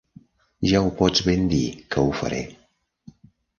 Ja ho pots ben dir que ho faré!